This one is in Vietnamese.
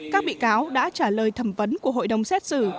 các bị cáo đã trả lời thẩm vấn của hội đồng xét xử